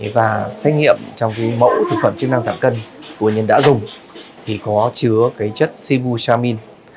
và xét nghiệm trong mẫu thực phẩm chứng năng giảm cân của nhân đã dùng thì có chứa chất sibu shamin